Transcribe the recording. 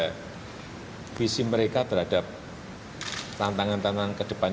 apa visi mereka terhadap tantangan tantangan kedepan